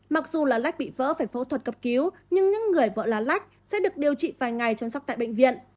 mặc dù lá lách bị vỡ phải phẫu thuật cấp cứu nhưng những người vỡ lá lách sẽ được điều trị vài ngày chăm sóc tại bệnh viện